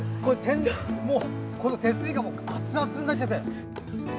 手すりがもう熱々になっちゃって！